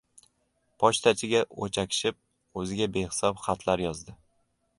— Pochtachiga o‘chakishib o‘ziga behisob xatlar yozdi.